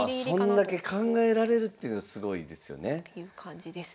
そんだけ考えられるっていうのすごいですよね。という感じです。